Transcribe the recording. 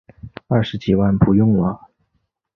二十几万不用了